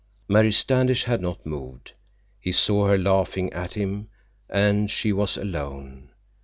Mary Standish had not moved. He saw her laughing at him, and she was alone.